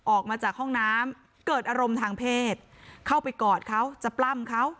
ออกมาจากห้องน้ำเกิดอารมณ์ทางเพศเข้าไปกอดเขาจะปล้ำเขา